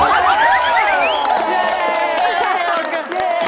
เย่